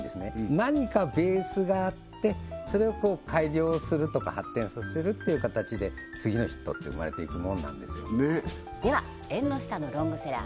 何かベースがあってそれをこう改良するとか発展させるっていう形で次のヒットって生まれていくものなんですよではえんの下のロングセラー